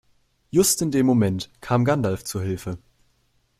Just in dem Moment kam Gandalf zu Hilfe.